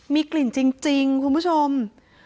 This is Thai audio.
มีกลิ่นจริงคุณผู้ชมก็พยามหาอันได้